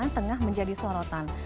tengah menjadi sorotan